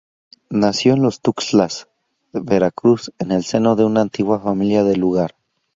Nació en Los Tuxtlas, Veracruz, en el seno de una antigua familia del lugar.